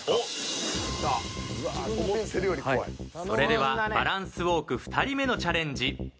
それではバランスウォーク２人目のチャレンジ。